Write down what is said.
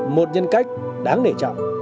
một nhân cách đáng để chọn